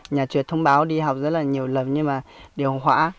nhà trường thông báo đi học rất là nhiều lần nhưng mà điều hỏa